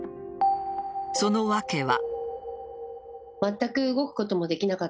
その訳は。